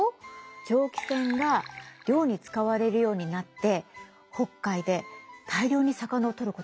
蒸気船が漁に使われるようになって北海で大量に魚を取ることができるようになった。